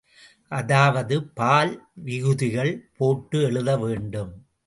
அதாவது பால் விகுதிகள் போட்டு எழுதவேண்டும்.